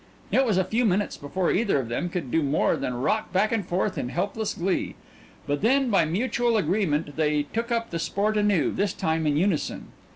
It was a few minutes before either of them could do more than rock back and forth in helpless glee; but then by mutual agreement they took up the sport anew, this time in unison.